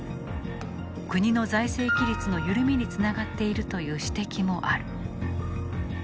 国の財政規律の緩みにつながっているという指摘もある。